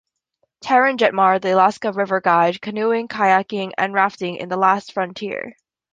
Karen Jettmar, The Alaska River Guide: Canoeing, Kayaking, and Rafting in the Last Frontier.